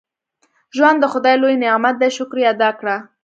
• ژوند د خدای لوی نعمت دی، شکر یې ادا کړه.